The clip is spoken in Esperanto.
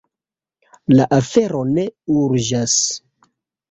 La afero ne urĝas.